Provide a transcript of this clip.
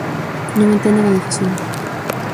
Non entenden a decisión.